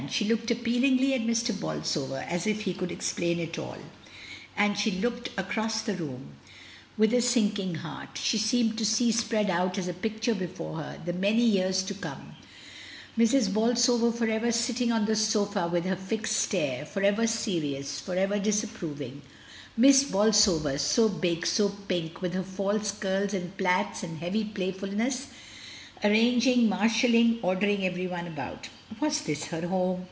She looked appealingly at Mr. Bolsover, as if he could explain it all. As she looked across the room 222^ MRS. DYMONDr with a sinking heart, she seemed to see spread out as a picture before her the many years to come, Mrs. Bolsover for ever sitting on the sofa with her fixed stare, for ever serious, for ever disapproving; Miss Bolsover, so big, so pink, with her false curls and plaits and heavy playfulness, arranging, mar shalling, ordering everyone about. Was this her home?